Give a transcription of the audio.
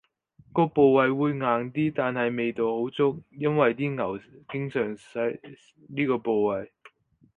個部位會硬啲，但係味道好足，因爲啲牛經常使呢個部位